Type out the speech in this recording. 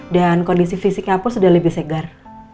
dan kondisi fisiknya pun sudah lebih segar